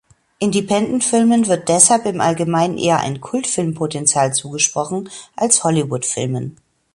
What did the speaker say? Independentfilmen wird deshalb im Allgemeinen eher ein „Kultfilm-Potential“ zugesprochen als Hollywood-Filmen.